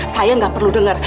saya nggak perlu dengar